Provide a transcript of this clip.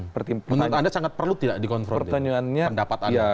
menurut anda sangat perlu tidak dikonfrontir